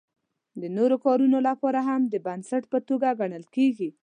د نورو کارونو لپاره هم د بنسټ په توګه ګڼل کیږي.